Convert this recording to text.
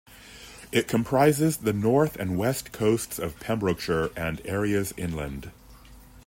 It comprises the north and west coasts of Pembrokeshire and areas inland.